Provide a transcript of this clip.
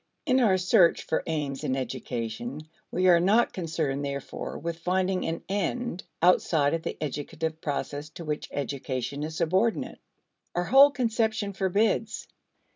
In our search for aims in education, we are not concerned, therefore, with finding an end outside of the educative process to which education is subordinate. Our whole conception forbids.